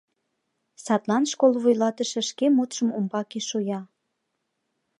Садлан школ вуйлатыше шке мутшым умбаке шуя.